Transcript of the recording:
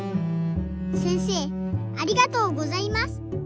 せんせいありがとうございます。